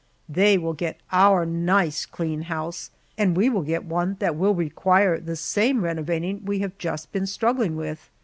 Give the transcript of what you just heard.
They will get our nice clean house, and we will get one that will require the same renovating we have just been struggling with.